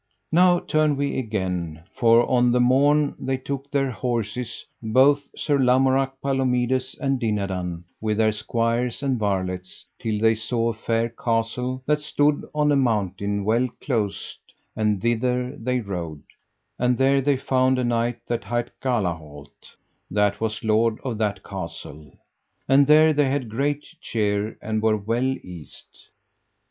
Now turn we again, for on the morn they took their horses, both Sir Lamorak, Palomides, and Dinadan, with their squires and varlets, till they saw a fair castle that stood on a mountain well closed, and thither they rode, and there they found a knight that hight Galahalt, that was lord of that castle, and there they had great cheer and were well eased.